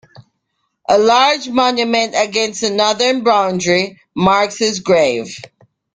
A large monument against the northern boundary marks his grave.